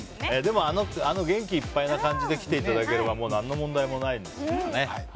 でも、あの元気いっぱいな感じで来ていただければ何の問題もないですからね。